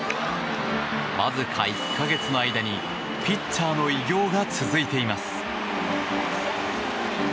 わずか１か月の間にピッチャーの偉業が続いています。